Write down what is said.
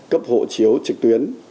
cấp hộ chiếu trực tuyến